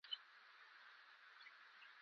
په کور کې به ماشومان پوښتنه درڅخه کوي.